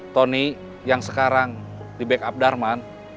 tony yang sekarang di backup darman